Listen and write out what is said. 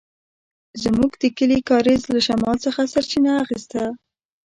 زموږ د کلي کاریز له شمال څخه سرچينه اخيسته.